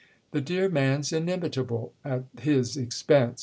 "The dear man's inimitable—at his 'expense'!"